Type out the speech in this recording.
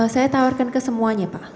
saya tawarkan ke semuanya pak